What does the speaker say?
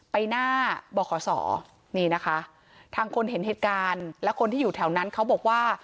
ไปหน้าบขศนี่นะคะทางคนเห็นเหตุการณ์และคนที่อยู่แถวนั้นเขาบอกว่า